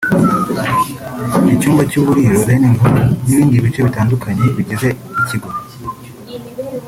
icyumba cy’uburiro (dining hall) n’ibindi bice bitandukanye bigize ikigo